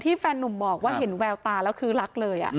แฟนนุ่มบอกว่าเห็นแววตาแล้วคือรักเลย